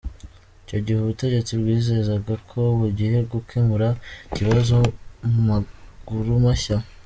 Icyo gihe ubutegetsi bwizezaga ko bugiye gukemura ikibazo mu maguru mashya.